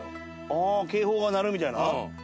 ああ警報が鳴るみたいな？